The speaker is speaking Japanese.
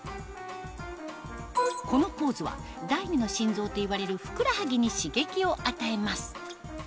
このポーズは第二の心臓といわれるふくらはぎに刺激を与えます